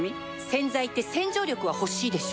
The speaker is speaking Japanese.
洗剤って洗浄力は欲しいでしょ